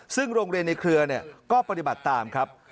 ซึ่งโรงเรียนในเครือก็ปฏิบัติตามครับ